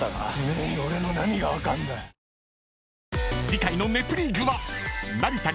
［次回の『ネプリーグ』は成田凌葵